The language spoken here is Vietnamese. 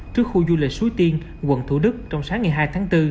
trước khu du lịch suối tiên quận thủ đức trong sáng ngày hai tháng bốn